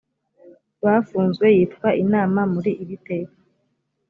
bafunzwe yitwa inama muri iri teka